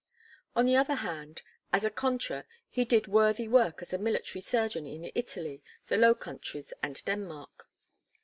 On the other hand, as a contra he did worthy work as a military surgeon in Italy, the Low Countries and Denmark.